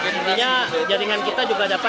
jadi jaringan kita juga dapat